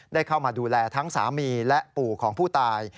ได้เข้ามาดูแลทั้งสามีและปู่ของผู้ตาย